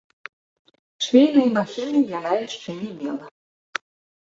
Швейнай машыны яна яшчэ не мела.